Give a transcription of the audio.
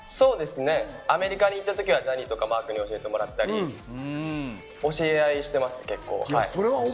アメリカに行った時はジャニーやマークに教えてもらったり、教え合いをしています。